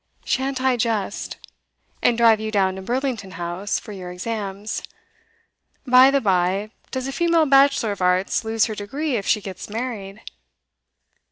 'Shan't I, just! And drive you down to Burlington House, for your exams. By the bye, does a female Bachelor of Arts lose her degree if she gets married?